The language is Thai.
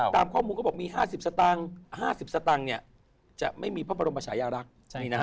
ตามข้อมูลเขาบอกมี๕๐สตางค์๕๐สตางค์จะไม่มีพระบรมชายรักษ์